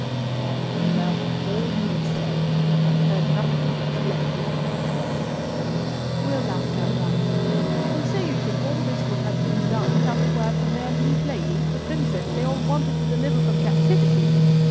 "Nay, throughout all you have said, I have heard nothing to explain this morning's work." Will laughed outright. "And so you think all this would have been done without a word from their liege lady, the princess they all wanted to deliver from captivity!